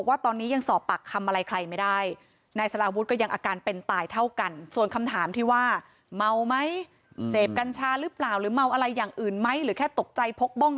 อันนี้ก็ยังหาคำตอบไม่ได้